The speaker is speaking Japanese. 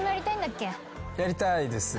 やりたいですね。